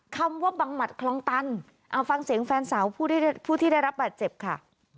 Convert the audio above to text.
คำว่าบังหมัดคลองตันเอาฟังเสียงแฟนสาวผู้ที่ได้รับบาดเจ็บค่ะ